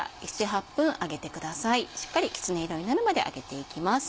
しっかりきつね色になるまで揚げていきます。